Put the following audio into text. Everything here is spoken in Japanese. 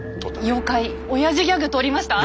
妖怪オヤジギャグ通りました？